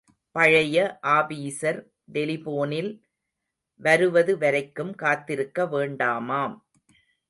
பழைய ஆபீஸர் டெலிபோனில் வருவது வரைக்கும் காத்திருக்க வேண்டாமாம்.